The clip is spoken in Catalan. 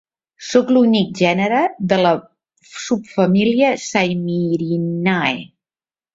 Són l'únic gènere de la subfamília "saimirinae".